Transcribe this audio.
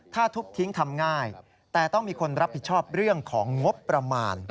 ถ้าทุบทิ้งทำง่ายแต่ต้องมีคนรับผิดชอบเรื่องของงบประมาณ